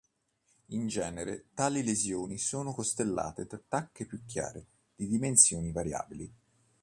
In genere tali lesioni sono costellate da tacche più chiare di dimensioni variabili.